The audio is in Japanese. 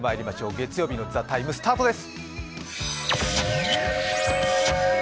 月曜日の「ＴＨＥＴＩＭＥ，」スタートです。